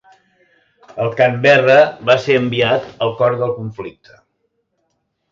El "Canberra" va ser enviat al cor del conflicte.